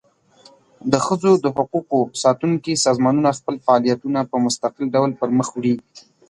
د ښځو د حقوقو ساتونکي سازمانونه خپل فعالیتونه په مستقل ډول پر مخ وړي.